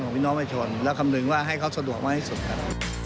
พี่น้องประชาชนแล้วคำนึงว่าให้เขาสะดวกมากที่สุดครับ